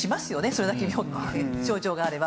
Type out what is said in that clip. それだけ症状があれば。